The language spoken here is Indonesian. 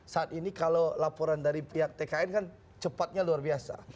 saat ini kalau laporan dari pihak tkn kan cepatnya luar biasa